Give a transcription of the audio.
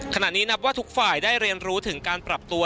ขณะนี้นับว่าทุกฝ่ายได้เรียนรู้ถึงการปรับตัว